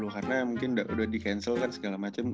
karena mungkin udah di cancel kan segala macem